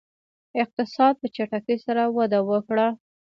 اقتصاد په چټکۍ سره وده وکړه.